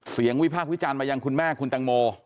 เสียงวิพากษ์วิจารณ์มาอย่างคุณแม่คุณแตงโม